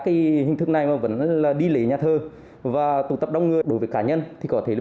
cái hình thức này mà vẫn là đi lễ nhà thơ và tụ tập đông người đối với cá nhân thì có thể là